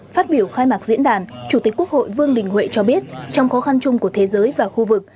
phát biểu khai mạc diễn đàn chủ tịch quốc hội vương đình huệ cho biết trong khó khăn chung của thế giới và khu vực